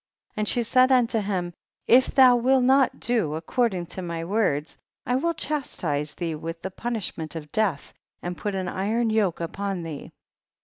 24. And she said unto him, if thou wilt not do according to my words, I will chastise thee with the punish ment of death, and put an iron yoke upon thee.